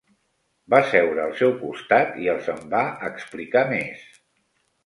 Va seure al seu costat i els en va explicar més.